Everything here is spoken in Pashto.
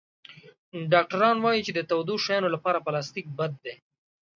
ډاکټران وایي چې د تودو شیانو لپاره پلاستيک بد دی.